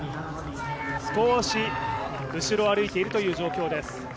少し後ろを歩いているという状況です。